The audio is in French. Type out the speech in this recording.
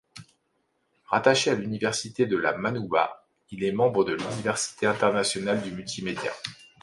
Rattaché à l'Université de La Manouba, il est membre de l'Université internationale du multimédia.